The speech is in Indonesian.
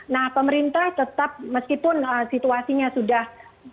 nah pemerintah tetap meskipun situasinya sudah